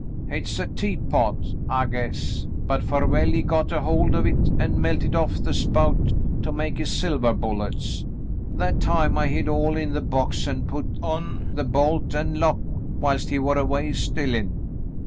"Hit's a teapot, I guess, but Farwell, he got a hold of hit an' melted off the spout to make his silvah bullets. That time I hid all in the box an' put on the bolt an' lock whilst he war away 'stillin'.